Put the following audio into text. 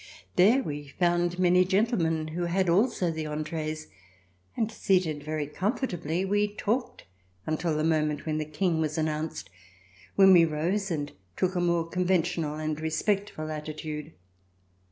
There we found many gentlemen who had also the entrees, and, seated very comfortably, we talked until the moment when the King was announced, when we rose and took a more conventional and respectful attitude.